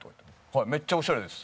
「はいめっちゃオシャレです。